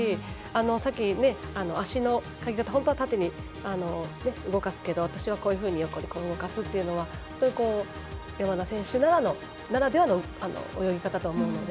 さっき、足の、かき方本当は縦に動かすけど私は横に動かすっていうのは山田選手ならではの泳ぎ方だと思うので。